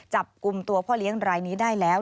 จับกลุ่มตัวพ่อเลี้ยงรายนี้ได้แล้ว